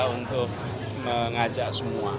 untuk mengajak semua